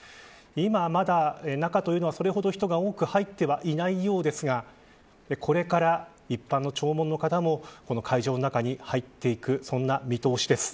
今、まだ中というのはそれほど人が多く入っていないようですがこれから一般の弔問の方もこの会場の中に入っていく、そんな見通しです。